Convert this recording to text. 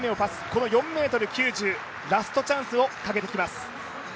この４ｍ９０、ラストチャンスをかけてきます。